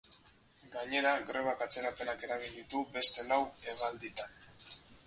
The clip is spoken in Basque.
Gainera, grebak atzerapenak eragin ditu beste lau hegalditan.